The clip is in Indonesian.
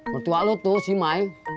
mertua lo tuh si mai